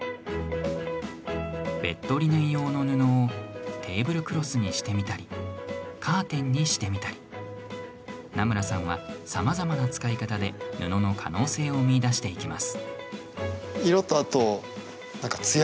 ベッドリネン用の布をテーブルクロスにしてみたりカーテンにしてみたり南村さんは、さまざまな使い方で布の可能性を見いだしていきます。